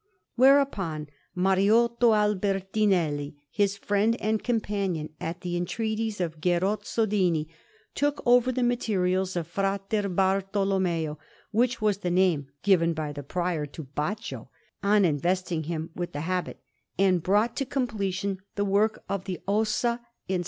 Whereupon Mariotto Albertinelli, his friend and companion, at the entreaties of Gerozzo Dini, took over the materials of Fra Bartolommeo which was the name given by the Prior to Baccio, on investing him with the habit and brought to completion the work of the Ossa in S.